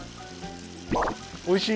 おいしい？